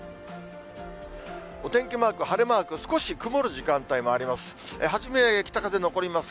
お天気マーク、晴れマーク、少し曇る時間帯もあります。